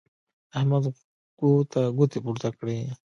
احمد غوږو ته ګوتې پورته کړې.